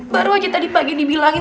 baru aja tadi pagi dibilangin